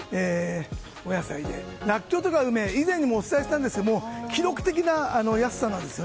お野菜で、らっきょうとかは以前もお伝えしましたが記録的な安さなんです。